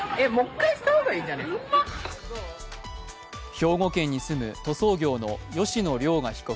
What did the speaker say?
兵庫県に住む塗装業の吉野凌雅被告